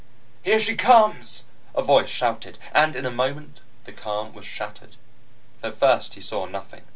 "Here she comes!" a voice shouted. And in a moment, the calm was shattered. At first, he saw nothing.